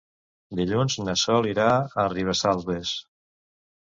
Dilluns na Sol irà a Ribesalbes.